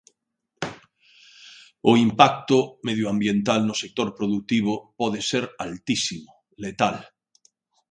O impacto medioambiental no sector produtivo pode ser altísimo, letal.